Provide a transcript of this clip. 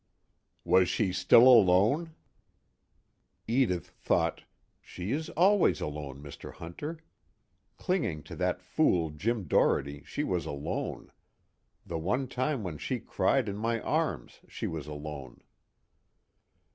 "Was she still alone?" Edith thought: _She is always alone, Mr. Hunter. Clinging to that fool Jim Doherty, she was alone. The one time when she cried in my arms, she was alone.